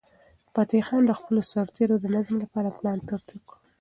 فتح خان د خپلو سرتیرو د نظم لپاره پلان ترتیب کړ.